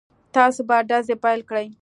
تاسې به ډزې پيل کړئ.